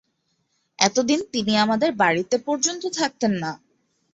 এতদিন তিনি আমাদের বাড়িতে পর্যন্ত থাকতেন না।